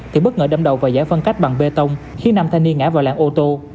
thì bất ngờ đâm đầu vào giải phân cách bằng bê tông khiến nam thanh niên ngã vào làng ô tô